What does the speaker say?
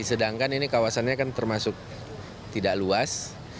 sedangkan ini kawasannya kan termasuk tidak luas